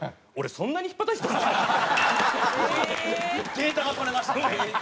データが取れましたね